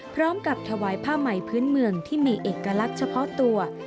พร้อมกับถวายผ้าใหม่พื้นเมืองที่มีเอกลักษณ์เฉพาะตัว